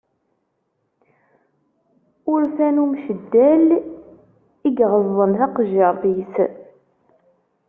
Urfan umceddal, i yeɣeẓẓen taqejjiṛt-is.